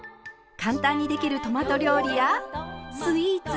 簡単にできるトマト料理やスイーツ。